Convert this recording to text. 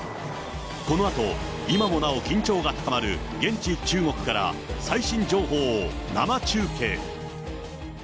このあと、今もなお緊張が高まる現地、中国から最新情報を生中継。